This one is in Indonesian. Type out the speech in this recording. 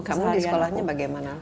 kamu di sekolahnya bagaimana